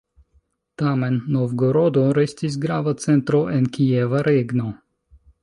Tamen Novgorodo restis grava centro en Kieva regno.